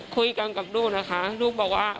คุยกันกับลูกนะคะลูกบอกว่า